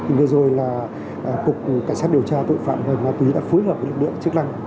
thì vừa rồi là cục cảnh sát điều tra tội phạm về ma túy đã phối hợp với lực lượng chức năng